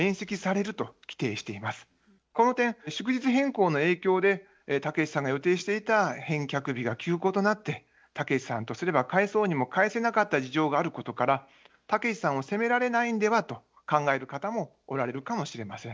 この点祝日変更の影響でタケシさんが予定していた返却日が休講となってタケシさんとすれば返そうにも返せなかった事情があることからタケシさんを責められないんではと考える方もおられるかもしれません。